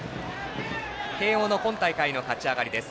慶応の今大会の勝ち上がりです。